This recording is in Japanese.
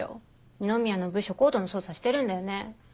二宮の部署ＣＯＤＥの捜査してるんだよね？